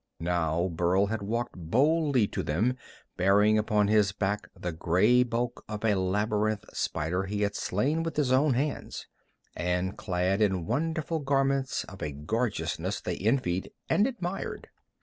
Now Burl had walked boldly to them, bearing, upon his back the gray bulk of a labyrinth spider he had slain with his own hands, and clad in wonderful garments of a gorgeousness they envied and admired.